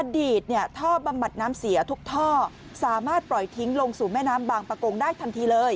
ท่อบำบัดน้ำเสียทุกท่อสามารถปล่อยทิ้งลงสู่แม่น้ำบางประกงได้ทันทีเลย